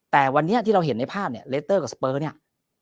แต่วันนี้ที่เราเห็นในภาพเนี่ยเลสเตอร์กับสเปอร์เนี่ย